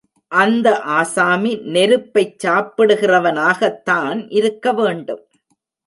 அந்த ஆசாமி நெருப்பைச் சாப்பிடுகிறவனாகத்தான் இருக்க வேண்டும்.